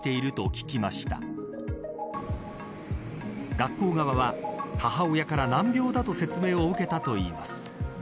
学校側は母親から難病だと説明を受けたといいます。